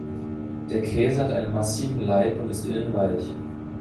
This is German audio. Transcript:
Der Käse hat einen massiven Laib und ist innen weich.